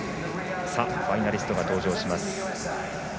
ファイナリストが登場します。